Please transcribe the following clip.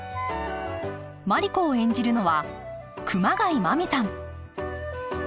マリ子を演じるのは熊谷真実さん